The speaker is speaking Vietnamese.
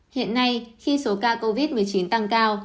hiện nay khi số ca covid một mươi chín tăng cao